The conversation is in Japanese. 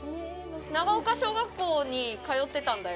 長岡小学校に通ってたんだよ。